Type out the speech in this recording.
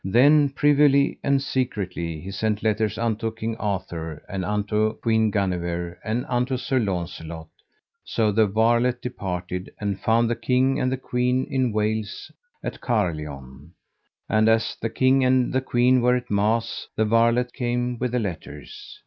Then privily and secretly he sent letters unto King Arthur, and unto Queen Guenever, and unto Sir Launcelot. So the varlet departed, and found the king and the queen in Wales, at Carlion. And as the king and the queen were at mass the varlet came with the letters.